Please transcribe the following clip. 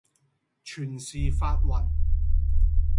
全是發昏；